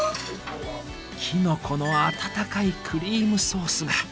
きのこの温かいクリームソースが。